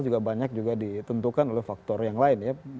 juga banyak juga ditentukan oleh faktor yang lain ya